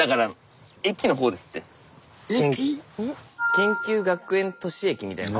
研究学園都市駅みたいな。